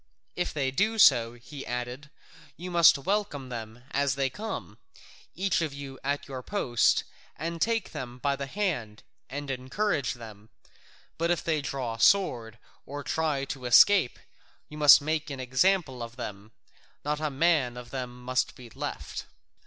"If they do so," he added, "you must welcome them as they come, each of you at your post, and take them by the hand and encourage them, but if they draw sword or try to escape, you must make an example of them: not a man of them must be left."